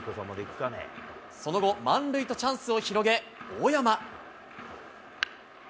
その後、満塁とチャンスを広げ、大山。